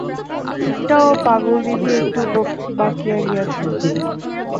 পিঠটাও পাগলদিদির একটু বাকিয়া গিয়াছে।